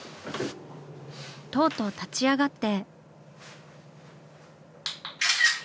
とうとう立ち上がって。